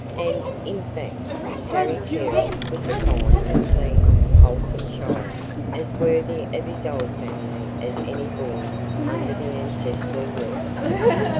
And, in fact, Harry Carey was a fine, clean, wholesome child, as worthy of his old family as any born under the ancestral roof.